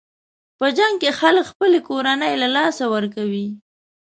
په جنګ کې خلک خپلې کورنۍ له لاسه ورکوي.